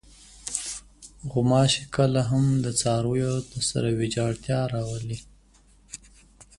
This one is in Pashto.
غوماشې کله هم د څارویو سره ویجاړتیا راولي.